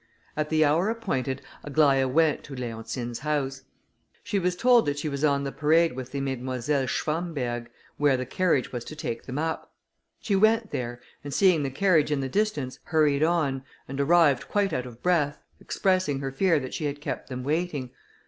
At the hour appointed, Aglaïa went to Leontine's house. She was told that she was on the parade with the Mesdemoiselles Schwamberg, where the carriage was to take them up. She went there, and seeing the carriage in the distance, hurried on, and arrived, quite out of breath, expressing her fear that she had kept them waiting.